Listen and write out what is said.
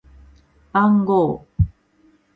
番号